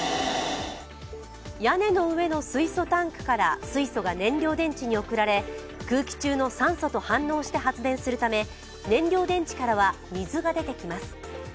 屋根の上の水素タンクから水素が燃料電池に送られ空気中の酸素と反応して発電するため燃料電池からは水が出てきます。